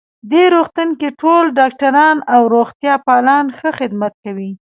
دې روغتون کې ټول ډاکټران او روغتیا پالان ښه خدمت کوی